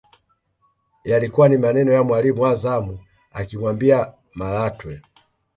Yalikuwa ni maneno ya mwalimu wa zamu akimwambia Malatwe